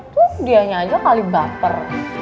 terus dianya aja kali baper